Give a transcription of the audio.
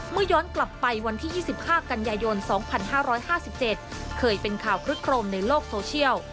ย้อนกลับไปวันที่๒๕กันยายน๒๕๕๗เคยเป็นข่าวคลึกโครมในโลกโซเชียล